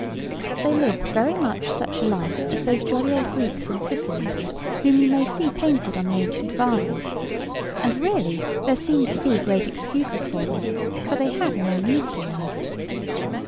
They lived very much such a life as those jolly old Greeks in Sicily, whom you may see painted on the ancient vases, and really there seemed to be great excuses for them, for they had no need to work.